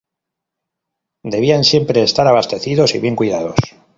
Debían siempre estar abastecidos y bien cuidados.